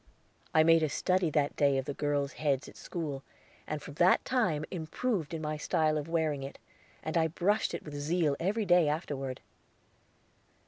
I made a study that day of the girls' heads at school, and from that time improved in my style of wearing it, and I brushed it with zeal every day afterward.